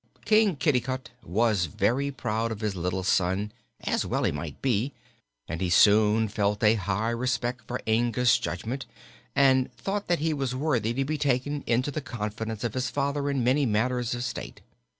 King Kitticut was very proud of his little son, as well he might be, and he soon felt a high respect for Inga's judgment and thought that he was worthy to be taken into the confidence of his father in many matters of state.